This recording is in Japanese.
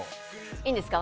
いいんですか？